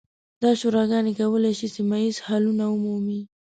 دا شوراګانې کولی شي سیمه ییز حلونه ومومي.